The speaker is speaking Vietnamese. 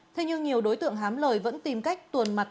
thế nhưng nhiều đối tượng hám lời vẫn tìm cách tuồn mặt